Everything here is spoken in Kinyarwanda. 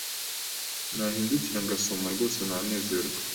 nahindukira ngasoma, rwose nanezerwa